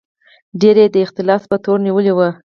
ډېر یې د اختلاس په تور نیولي وو.